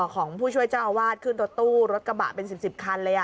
ของผู้ช่วยเจ้าอาวาสขึ้นรถตู้รถกระบะเป็น๑๐คันเลย